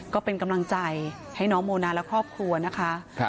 ก็เป็นกำลังใจให้น้องโมนาและครอบครัวนะคะ